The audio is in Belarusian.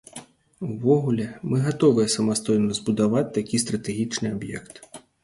Увогуле, мы гатовыя самастойна збудаваць такі стратэгічны аб'ект.